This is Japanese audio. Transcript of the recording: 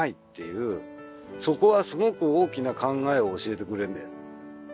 そこはすごく大きな考えを教えてくれるんだよ